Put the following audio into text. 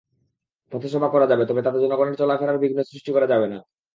পথসভা করা যাবে, তবে তাতে জনগণের চলাফেরার বিঘ্ন সৃষ্টি করা যাবে না।